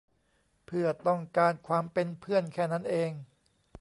เพื่อต้องการความเป็นเพื่อนแค่นั้นเอง